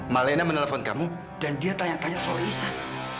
malena menelpon kamu dan dia tanya tanya soal isan